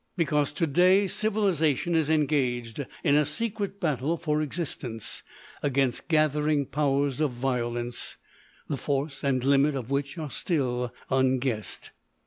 "Because, to day, civilisation is engaged in a secret battle for existence against gathering powers of violence, the force and limit of which are still unguessed.